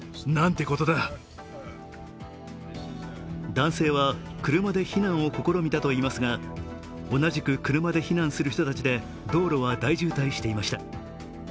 男性は車で避難を試みたといいますが同じく車で避難する人たちで道路は大渋滞していました。